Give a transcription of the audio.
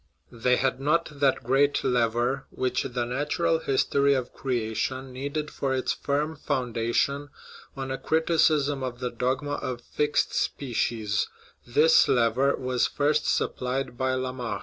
They had not that great lever which the "natural history of creation" needed for its firm foundation on a criticism of the dogma of fixed species ; this lever was first supplied by Lamarck.